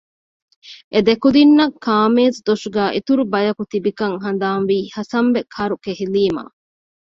އެ ދެކުދިންނަށް ކާމޭޒުދޮށުގައި އިތުރު ބަޔަކު ތިބިކަން ހަނދާންވީ ހަސަންބެ ކަރުކެހިލީމަ